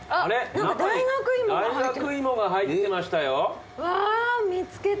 大学芋が入ってましたよ。わ見つけた。